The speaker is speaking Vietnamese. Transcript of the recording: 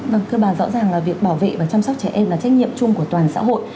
vâng thưa bà rõ ràng là việc bảo vệ và chăm sóc trẻ em là trách nhiệm chung của toàn xã hội